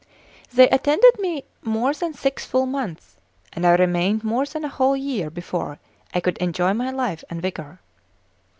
They attended me more than six full months, and I remained more than a whole year before I could enjoy my life and vigour.